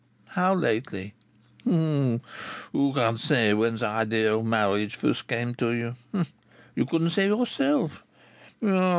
"How lately?" "Who can say when the idea of marriage first came to you? You couldn't say yourself.